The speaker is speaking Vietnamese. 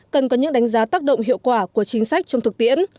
cần có những đánh giá tác động hiệu quả của chính sách trong thực tiễn